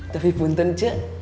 tapi bukan cuk